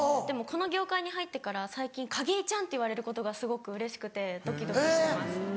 でもこの業界に入ってから最近「景井ちゃん」って言われることがすごくうれしくてドキドキしてます。